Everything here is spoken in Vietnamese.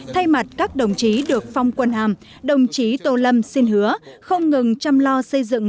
thay mặt các đồng chí được phong quân hàm đồng chí tô lâm xin hứa không ngừng chăm lo xây dựng